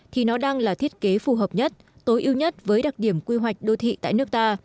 thì nó đang là thiết kế phù hợp nhất tối ưu nhất với đặc điểm quy hoạch đô thị tại nước ta